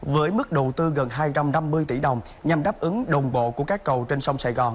với mức đầu tư gần hai trăm năm mươi tỷ đồng nhằm đáp ứng đồng bộ của các cầu trên sông sài gòn